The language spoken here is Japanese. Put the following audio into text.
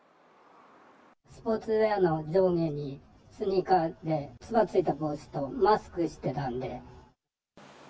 スポーツウエアの上下にスニーカーで、つば付いた帽子とマスクしてたんで。